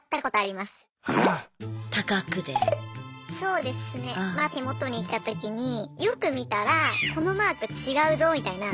まあ手元に来た時によく見たらこのマーク違うぞみたいな。